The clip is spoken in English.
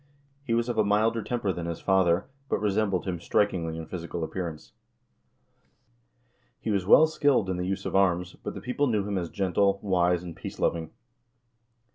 He was of a milder temper than his father, but resembled him strikingly in physical appearance. He was well skilled in the use of arms, but the people knew him as gentle, wise, and peace loving.